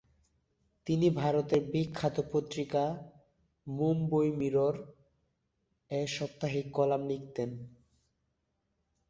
তিনি ভারতের বিখ্যাত পত্রিকা "মুম্বই মিরর" এ সাপ্তাহিক কলাম লিখতেন।